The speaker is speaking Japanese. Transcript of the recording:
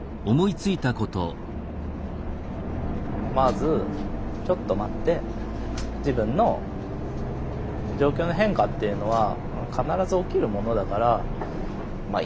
まずちょっと待って自分の状況の変化っていうのは必ず起きるものだからまあ